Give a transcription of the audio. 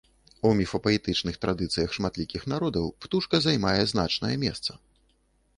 У міфапаэтычных традыцыях шматлікіх народаў птушка займае значнае месца.